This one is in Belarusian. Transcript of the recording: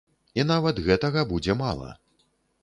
І нават гэтага будзе мала.